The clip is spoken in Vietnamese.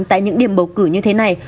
tại những điểm bầu cử như thế này